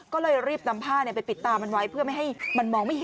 ก็เลยรีบนำผ้าไปปิดตามมันไว้